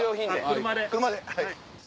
車で。